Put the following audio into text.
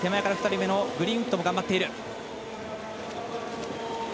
グリーンウッドも頑張っている。